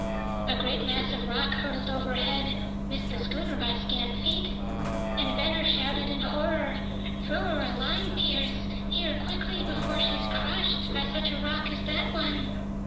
A great mass of rock hurtled overhead, missed the schooner by scant feet, and Venner shouted in horror: "Throw her a line, Pearse! Here, quickly, before she is crushed by such a rock as that one!"